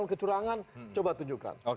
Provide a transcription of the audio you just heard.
kecurangan coba tunjukkan